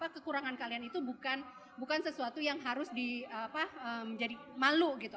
kekurangan kalian itu bukan sesuatu yang harus menjadi malu gitu